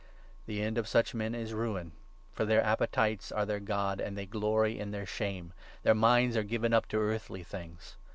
The end of such men is Ruin ; for their appetites are their 19 God, and they glory in their shame ; their minds are given up to earthly things.